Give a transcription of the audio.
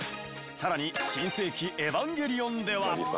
更に『新世紀エヴァンゲリオン』では。